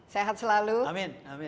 sehat selalu amin